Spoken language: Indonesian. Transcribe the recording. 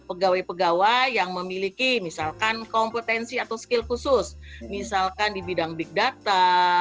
pegawai pegawai yang memiliki misalkan kompetensi atau skill khusus misalkan di bidang big data